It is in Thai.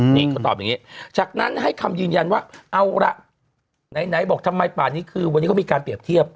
นี่เขาตอบอย่างนี้จากนั้นให้คำยืนยันว่าเอาละไหนบอกทำไมป่านี้คือวันนี้เขามีการเปรียบเทียบ